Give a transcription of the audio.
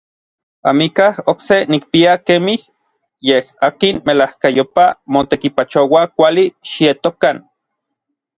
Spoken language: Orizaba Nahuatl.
Amikaj okse nikpia kemij n yej akin melajkayopaj motekipachoua kuali xietokan.